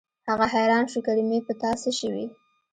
هغه حيران شو کریمې په تا څه شوي.